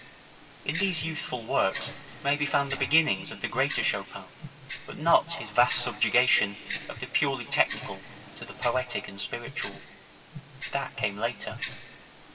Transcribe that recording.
In these youthful works may be found the beginnings of the greater Chopin, but not his vast subjugation of the purely technical to the poetic and spiritual. That came later.